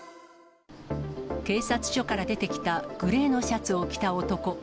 警察署から出てきたグレーのシャツを着た男。